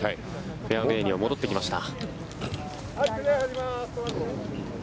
フェアウェーには戻ってきました。